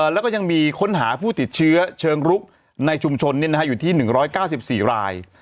แล้วก็ยังมีค้นหาผู้ติดเชื้อเชิงรุกในชุมชนอยู่ที่๑๙๔ราย